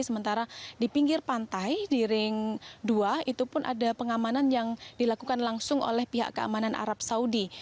sementara di pinggir pantai di ring dua itu pun ada pengamanan yang dilakukan langsung oleh pihak keamanan arab saudi